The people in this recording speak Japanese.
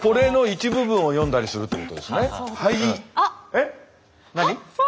えっ？何？